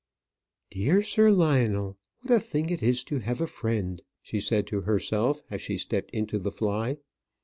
"Dear Sir Lionel, what a thing it is to have a friend," she said to herself as she stepped into the fly.